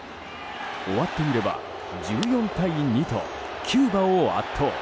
終わってみれば１４対２とキューバを圧倒。